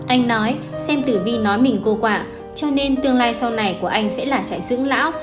anh nói xem tử vi nói mình cô quả cho nên tương lai sau này của anh sẽ là chạy dưỡng lão